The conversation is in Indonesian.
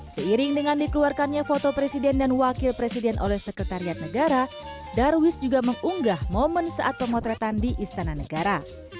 seiring dengan dikeluarkannya foto presiden dan wakil presiden oleh sekretariat negara darwis juga mengunggah momen saat pemotretan di istana negara